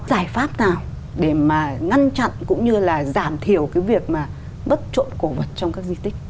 giải pháp nào để mà ngăn chặn cũng như là giảm thiểu cái việc mà bất trộm cổ vật trong các di tích